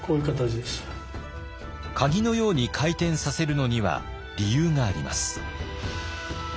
鍵のように回転させるのには理由があります。